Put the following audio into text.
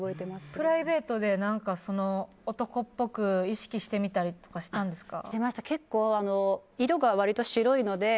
プライベートで男っぽく意識したりしたんですか。